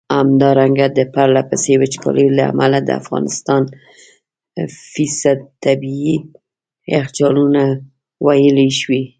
همدارنګه د پرله پسي وچکالیو له امله د افغانستان ٪ طبیعي یخچالونه ویلي شوي.